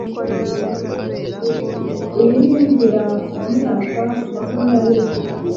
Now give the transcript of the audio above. Iyi niyo nzira mumyaka makumyabiri ishize.